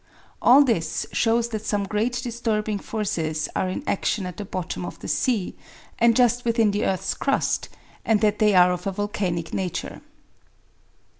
All this shows that some great disturbing forces are in action at the bottom of the sea, and just within the earth's crust, and that they are of a volcanic nature.